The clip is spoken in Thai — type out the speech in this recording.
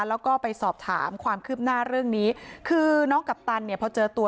แล้วก็ไปสอบถามความคืบหน้าเรื่องนี้คือน้องกัปตันเนี่ยพอเจอตัว